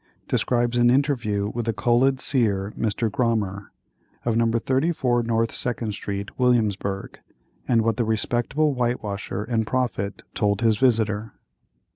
Describes an interview with the "Cullud" Seer, Mr. Grommer, of No. 34 North Second Street, Williamsburgh, and what that respectable Whitewasher and Prophet told his Visitor.